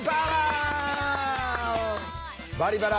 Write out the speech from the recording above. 「バリバラ」